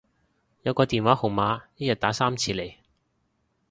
有個電話號碼一日打三次嚟